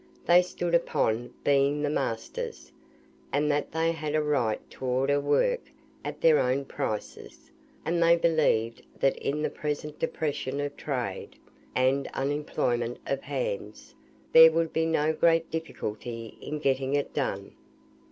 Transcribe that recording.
They stood upon being the masters, and that they had a right to order work at their own prices, and they believed that in the present depression of trade, and unemployment of hands, there would be no great difficulty in getting it done.